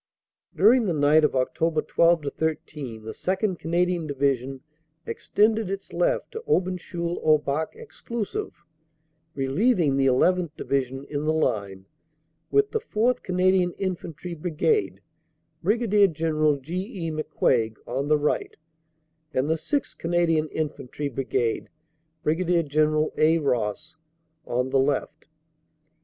"During the night of Oct. 12 13 the 2nd. Canadian Divi sion extended its left to Aubencheul au Bac exclusive, reliev ing the llth. Division in the line, with the 4th Canadian Infantry Brigade (Brig. General G. E. McCuaig) on the right, and the 6th. Canadian Infantry Brigade (Brig.General A. Ross) on the left.